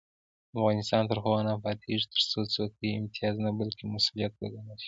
افغانستان تر هغو نه ابادیږي، ترڅو څوکۍ امتیاز نه بلکې مسؤلیت وګڼل شي.